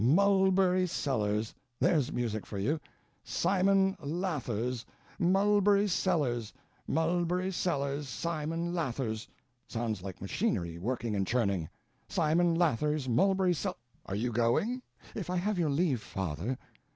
Mulberry Sellers—there's music for you, Simon Lathers—Mulberry Sellers—Mulberry Sellers—Simon Lathers. Sounds like machinery working and churning. Simon Lathers, Mulberry Sel—Are you going?" "If I have your leave, father."